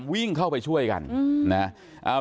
วิ่งเข้าไปช่วยกันนะครับ